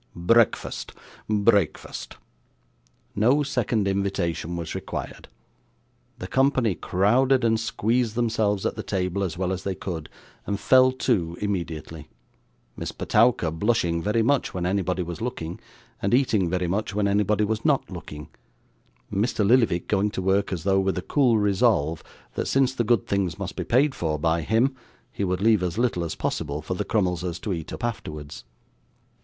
'Breakfast, breakfast.' No second invitation was required. The company crowded and squeezed themselves at the table as well as they could, and fell to, immediately: Miss Petowker blushing very much when anybody was looking, and eating very much when anybody was NOT looking; and Mr. Lillyvick going to work as though with the cool resolve, that since the good things must be paid for by him, he would leave as little as possible for the Crummleses to eat up afterwards.